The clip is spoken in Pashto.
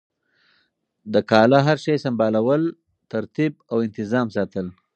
د کاله هر شی سمبالول ترتیب او انتظام ساتل